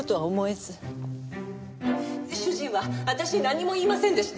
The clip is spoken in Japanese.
主人は私に何も言いませんでした。